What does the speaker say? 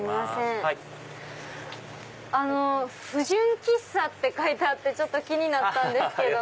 あの不純喫茶って書いてあって気になったんですけども。